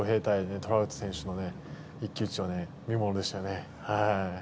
トラウト選手のね、一騎打ちはね、見ものでしたね。